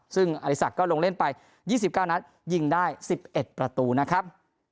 ซึ่งอริสักก็ลงเล่นไป๒๙นัดยิงได้๑๑ประตูนะครับ